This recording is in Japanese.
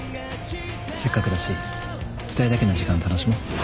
せっかくだし２人だけの時間楽しもう。